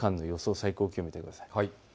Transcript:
最高気温を見てください。